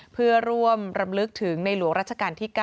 เพื่อร่วมรำลึกถึงในหลวงรัชกาลที่๙